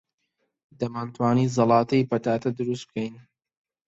دەمانتوانی زەڵاتەی پەتاتە دروست بکەین.